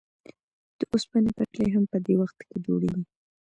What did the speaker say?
د اوسپنې پټلۍ هم په دې وخت کې جوړېږي